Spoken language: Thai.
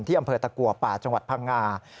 อำเภอตะกัวป่าจังหวัดพังงา